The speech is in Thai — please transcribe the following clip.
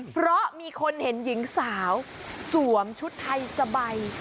เพราะมีคนเห็นหญิงสาวสวมชุดไทยสบาย